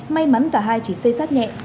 may mắn cả hai chiếc xe tải bị bắn xa